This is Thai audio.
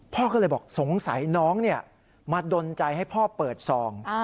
พ่อก็เลยบอกสงสัยน้องมาดนใจให้พ่อเปิดซอง